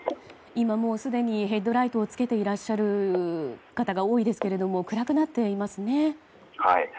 今すでにヘッドライトをつけていらっしゃる方が多いですけれども暗くなっていますね。